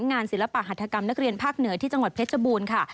ศิลปหัฐกรรมนักเรียนภาคเหนือที่จังหวัดเพชรบูรณ์ค่ะ